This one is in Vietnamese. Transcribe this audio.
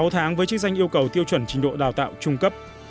sáu tháng với chức danh yêu cầu tiêu chuẩn trình độ đào tạo trung cấp